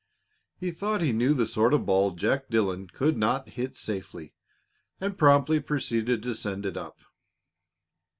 He thought he knew the sort of ball Jack Dillon could not hit safely, and promptly he proceeded to send it up.